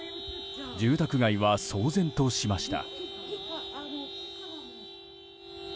住宅街は騒然としました。